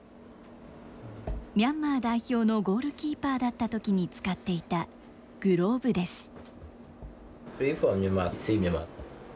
ミャンマー代表のゴールキーパーだったときに使っていたグローブです。